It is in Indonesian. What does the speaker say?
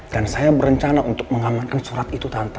dan saya berencana untuk mengamankan surat itu tante